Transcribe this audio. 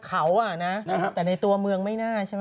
นอกจากเชียงใหม่ทางเขาแต่ในตัวเมืองไม่น่าใช่มั้ย